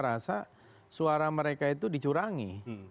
karena suara mereka itu dicurangi